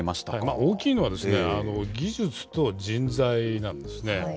大きいのは、技術と人材なんですね。